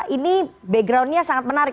ini backgroundnya sangat menarik